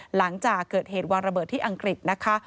หลังจากเกิดเหตุวางระเบิดที่อังกฤษนะคะ